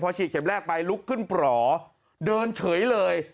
ฉีดเข็มแรกไปลุกขึ้นปล่อเดินเฉยเลย